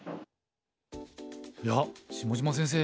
いや下島先生